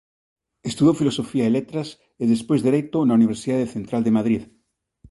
Estudou Filosofía e Letras e despois Dereito na Universidade Central de Madrid.